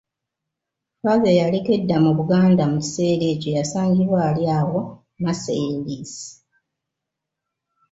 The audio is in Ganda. Father, eyaliko edda mu Buganda, mu kiseera ekyo yasangibwa ali awo Marseilles.